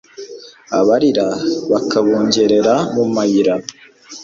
abarira bakabungerera mu mayira